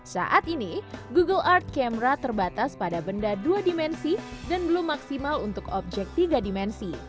saat ini google art camera terbatas pada benda dua dimensi dan belum maksimal untuk objek tiga dimensi